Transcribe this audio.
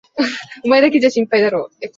お前だけじゃ心配だろう？